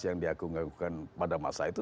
yang diakung akungkan pada masa itu